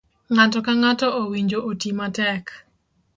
ng'ato ka ng'ato owinjo oti matek.